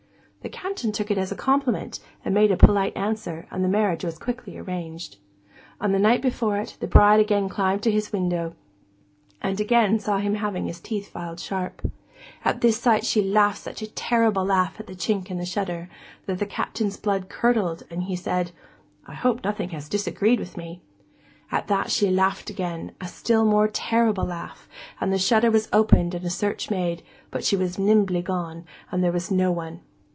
The Captain took it as a compliment, and made a polite answer, and the marriage was quickly arranged. On the night before it, the bride again climbed to his window, and again saw him having his teeth filed sharp. At this sight she laughed such a terrible laugh at the chink in the shutter, that the Captain's blood curdled, and he said: 'I hope nothing has disagreed with me!' At that, she laughed again, a still more terrible laugh, and the shutter was opened and search made, but she was nimbly gone, and there was no one.